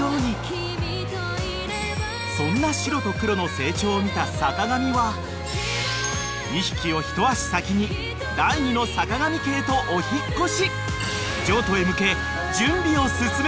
［そんなシロとクロの成長を見た坂上は２匹を一足先に第２のさかがみ家へとお引っ越し］